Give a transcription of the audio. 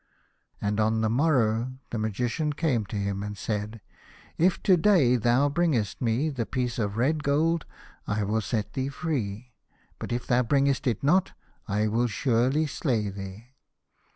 And on the morrow the Magician came to him, and said, " If to day thou bringest me the piece of red gold I will set thee free, but if thou bringest it not I will surely slay thee."